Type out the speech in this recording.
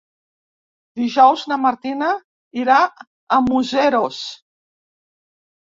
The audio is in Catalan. Dijous na Martina irà a Museros.